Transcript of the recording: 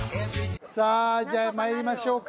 さあじゃあ参りましょうか。